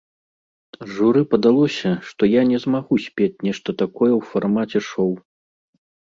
Журы падалося, што я не змагу спець нешта такое ў фармаце шоў.